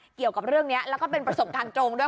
เกี่ยวกับเรื่องนี้แล้วก็เป็นประสบการณ์ตรงด้วย